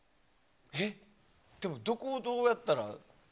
でも、どこをどうやったら。